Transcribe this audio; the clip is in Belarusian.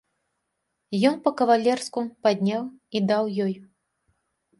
Ён па-кавалерску падняў і даў ёй.